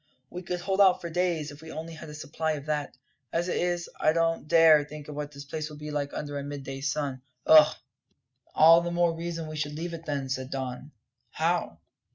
"We could hold out for days, if we only had a supply of that. As it is, I don't dare think what this place will be like under a midday sun ugh!" "All the more reason we should leave it, then," said Don. "How?"